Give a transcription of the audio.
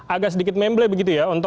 agak sedikit memble begitu ya